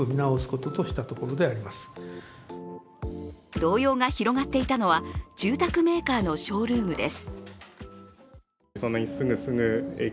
動揺が広がっていたのは住宅メーカーのショールームです。